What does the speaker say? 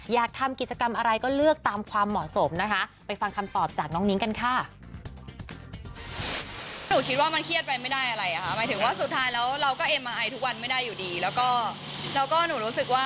อยากทำกิจกรรมอะไรก็เลือกตามความเหมาะสมนะคะ